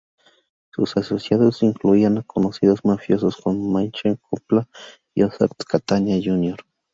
Sus asociados incluían a conocidos mafiosos como Michael Coppola, Joseph Catania Jr.